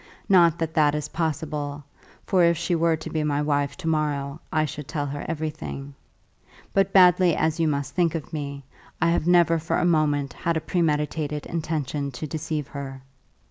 Not that that is possible, for if she were to be my wife to morrow I should tell her everything. But badly as you must think of me, I have never for a moment had a premeditated intention to deceive her.